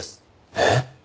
えっ？